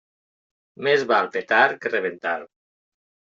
Més val petar que rebentar.